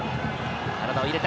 体を入れた。